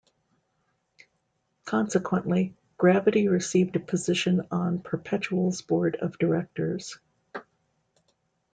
Consequently, Gravity received a position on Perpetual's board of directors.